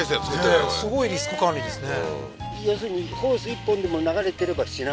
これすごいリスク管理ですね